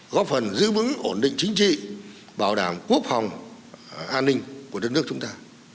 góp phần giữ vững ổn định chính trị bảo đảm quốc phòng an ninh của đất nước chúng ta